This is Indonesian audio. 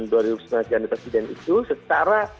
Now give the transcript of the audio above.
dua ribu sembilan belas ganti presiden itu secara